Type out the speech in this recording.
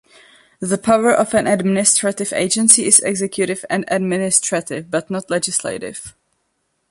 The power of an administrative agency is executive and administrative, but not legislative.